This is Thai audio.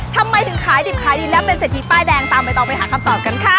ทำไมถึงขายดิบขายดีแล้วเป็นเศรษฐีป้ายแดงตามใบตองไปหาคำตอบกันค่ะ